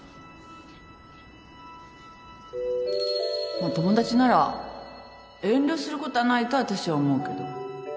まっ友達なら遠慮することはないとあたしは思うけど